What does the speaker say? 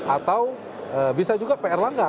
atau bisa juga pak erlangga